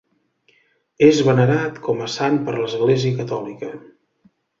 És venerat com a sant per l'Església Catòlica.